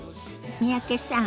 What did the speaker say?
三宅さん